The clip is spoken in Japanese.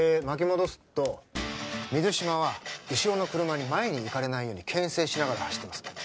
巻き戻すと水島は後ろの車に前に行かれないようにけん制しながら走ってます